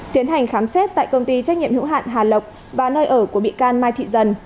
tiến hành khám xét tại công ty trách nhiệm hữu hạn hà lộc và nơi ở của bị can mai thị dần